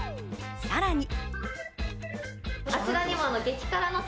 さらに。